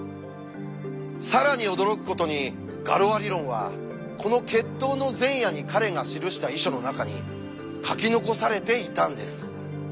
更に驚くことに「ガロア理論」はこの決闘の前夜に彼が記した遺書の中に書き残されていたんです。